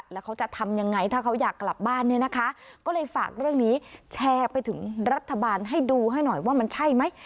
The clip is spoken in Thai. แล้วเขาจะทำยังไงถ้าเขาอยากกลับบ้านเนี่ยนะคะก็เลยฝากเรื่องนี้แชร์ไปถึงรัฐบาลให้ดูให้หน่อยว่ามันใช่ไหม